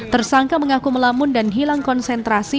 tersangka mengaku melamun dan hilang konsentrasi